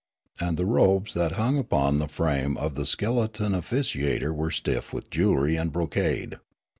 And the robes that hung upon the framework of the skeleton offi ciator were stiff with jewelry and brocade.